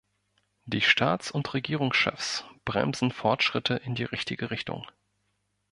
Die Staats- und Regierungschefs bremsen Fortschritte in die richtige Richtung.